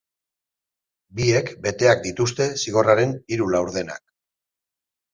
Biek beteak dituzte zigorraren hiru laurdenak.